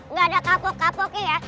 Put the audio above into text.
nggak ada kapok kapoknya ya